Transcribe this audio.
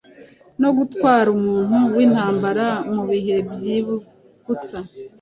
no gutwara Umuntu wintabera mubihe byubusa.